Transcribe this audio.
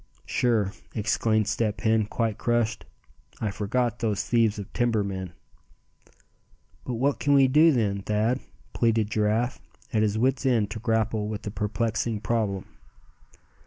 "Sure!" exclaimed Step Hen, quite crushed. "I forgot those thieves of timber men." "But what can we do, then, Thad;" pleaded Giraffe, at his wits' ends to grapple with the perplexing problem.